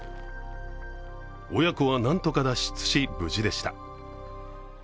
親子は何とか脱出し、無事でした。